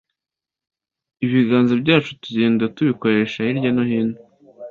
ibiganza byacu tugenda tubikoresha hirya no hino